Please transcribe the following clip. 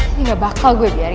ini gak bakal gue biarin